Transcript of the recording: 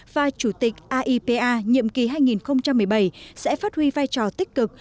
và chủ tịch aipa nhiệm kỳ hai nghìn một mươi bảy sẽ phát huy vai trò tích cực